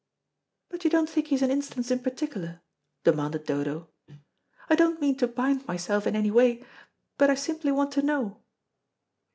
"But you don't think he is an instance in particular?" demanded Dodo. "I don't mean to bind myself in any way, but I simply want to know."